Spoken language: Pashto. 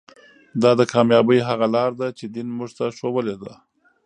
دا د کامیابۍ هغه لاره ده چې دین موږ ته ښودلې.